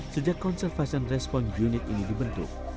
sejak conservation restoran unit ini dibentuk